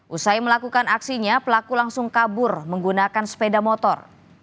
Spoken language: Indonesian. usai melakukan aksinya pelaku langsung kabur menggunakan sepeda motor